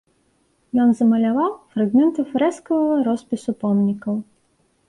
Ён замаляваў фрагменты фрэскавага роспісу помнікаў.